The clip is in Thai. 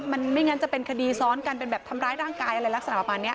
มันไม่งั้นจะเป็นคดีซ้อนกันเป็นแบบทำร้ายร่างกายอะไรลักษณะประมาณนี้